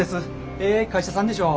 ええ会社さんでしょう。